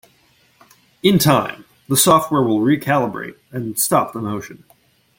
In time, the software will re-calibrate and stop the motion.